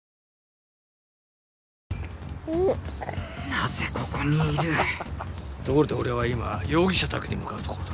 なぜここにいるところで俺は今容疑者宅に向かうところだ。